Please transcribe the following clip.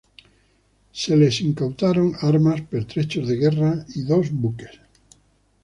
Se les incautaron armas, pertrechos de guerra y dos buques.